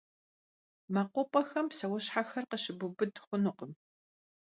МэкъупӀэхэм псэущхьэхэр къыщыбубыд хъунукъым.